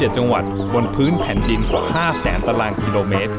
๗จังหวัดบนพื้นแผ่นดินกว่า๕แสนตารางกิโลเมตร